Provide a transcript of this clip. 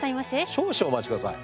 少々お待ち下さい？